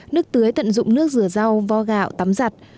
nước tưới tận dụng nước rửa rau vo gạo tắm giặt